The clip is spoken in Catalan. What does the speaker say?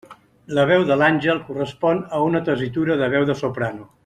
La veu de l'àngel correspon a una tessitura de veu de soprano.